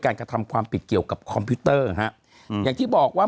กระทำความผิดเกี่ยวกับคอมพิวเตอร์ฮะอืมอย่างที่บอกว่า